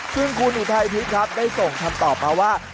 ซึ่งคุณอุทัยทิพย์ครับได้ส่งคำตอบมาว่า